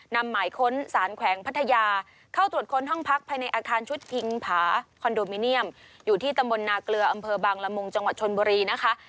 นำหมายค้นสารแขวงพัทยาเข้าตรวจค้นห้องพักภายในอาคารชุดพิงผาคอนโดมิเนียมอยู่ที่ตำบลนาเกลืออำเภอบางละมุงจังหวัดชนบุรีนะคะ